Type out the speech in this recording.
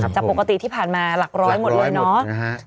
จากปกติที่ผ่านมาหลักร้อยหมดเลยเนาะ